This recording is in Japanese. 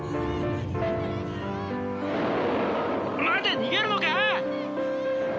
待て逃げるのか？